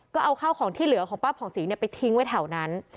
ก็เอาข้าวของที่เหลือของป้าผ่องศรีไปทิ้งไว้แถวนั้น